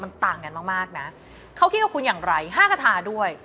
มันต่างกันมากมากนะเขาคิดกับคุณอย่างไรห้ากระทาด้วย